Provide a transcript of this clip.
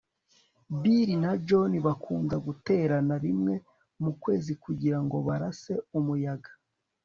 bill na john bakunda guterana rimwe mu kwezi kugirango barase umuyaga